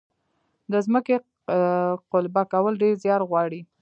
د ځمکې قلبه کول ډیر زیار غواړي.